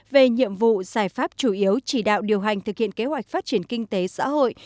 về nhiệm vụ giải pháp chủ yếu chỉ đạo điều hành thực hiện kế hoạch phát triển kinh tế xã hội